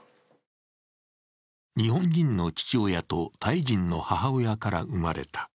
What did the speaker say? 日本人の父親とタイ人の母親から生まれた。